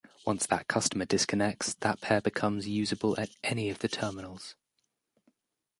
Once that customer disconnects, that pair becomes usable at any of the terminals.